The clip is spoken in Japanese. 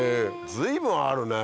随分あるねぇ。